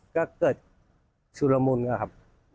ก็เกิดสุรมุณก็ครับ